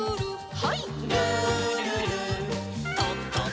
はい。